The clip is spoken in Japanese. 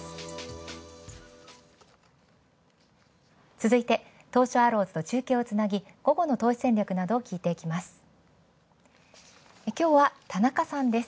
続いて、東証アローズと中継をつなぎ午後の投資戦略について聞いていきます。